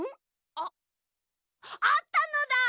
あっあったのだ！